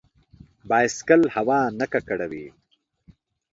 بایسکل هوا نه ککړوي.